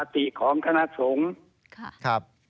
ติของคณะสงฆ์